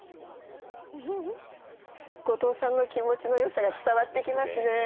後藤さんの気持ちのよさが伝わってきますね。